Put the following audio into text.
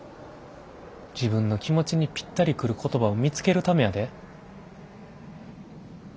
自分の気持ちにぴったり来る言葉を見つけるためやで。